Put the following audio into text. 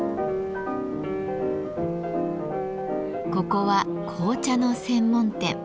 ここは紅茶の専門店。